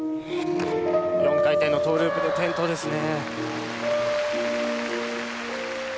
４回転のトーループで転倒ですね。